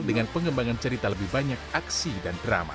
dengan pengembangan cerita lebih banyak aksi dan drama